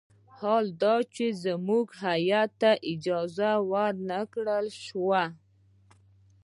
حال دا چې زموږ هیات ته اجازه ور نه کړل شوه.